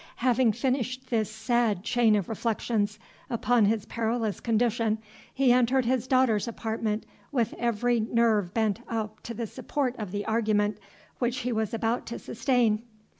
Having finished this sad chain of reflections upon his perilous condition, he entered his daughter's apartment with every nerve bent up to the support of the argument which he was about to sustain.